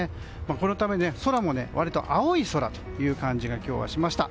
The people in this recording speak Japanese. このため、空も割と青い空という感じが今日はしました。